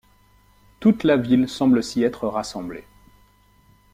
Toute la ville semble s’y être rassemblée.